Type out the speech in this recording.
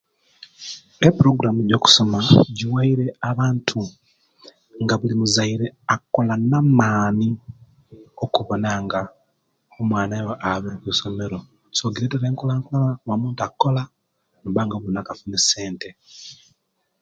Eprogramu ejokusoma jiwaire abantu nga buli muzaire akola namaani okuwona nga omuwana we ayaba okuisomero so kiretere enkulakulana nga buli muntu akola nabanga bulinaku afuna esente